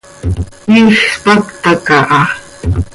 Iij spacta caha.